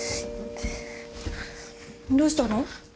どうしたの？